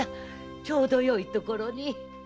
ちょうどよいところに。